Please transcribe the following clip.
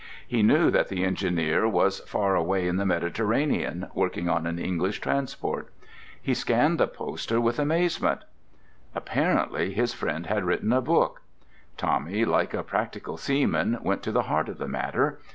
He knew that the engineer was far away in the Mediterranean, working on an English transport. He scanned the poster with amazement. Apparently his friend had written a book. Tommy, like a practical seaman, went to the heart of the matter.